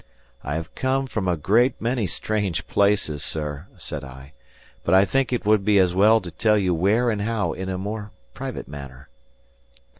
"I have come from a great many strange places, sir," said I; "but I think it would be as well to tell you where and how in a more private manner."